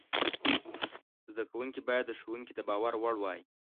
زده کوونکي باید د ښوونکي د باور وړ وای.